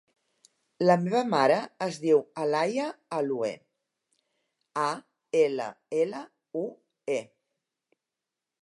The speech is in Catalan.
La meva mare es diu Alaia Allue: a, ela, ela, u, e.